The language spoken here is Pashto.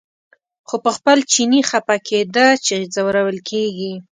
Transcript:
خو په خپل چیني خپه کېده چې ځورول کېږي.